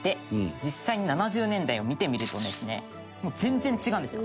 実際に７０年代を見てみるとですねもう全然違うんですよ。